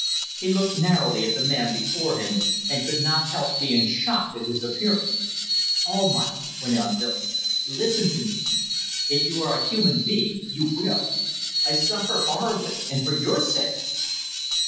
He looked narrowly at the man before him, and could not help being shocked at his appearance. "Almayer," went on Willems, "listen to me. If you are a human being you will. I suffer horribly and for your sake."